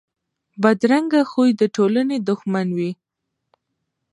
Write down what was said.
بدرنګه خوی د ټولنې دښمن وي